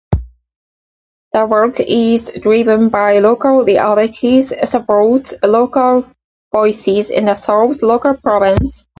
The work is driven by local realities, supports local voices, and solves local problems.